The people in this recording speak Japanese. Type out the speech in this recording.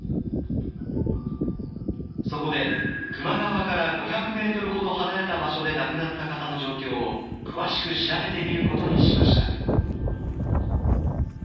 そこで球磨川から５００ｍほど離れた場所で亡くなった方の状況を詳しく調べてみることにしました。